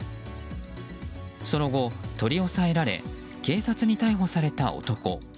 その後取り押さえられ警察に逮捕された男。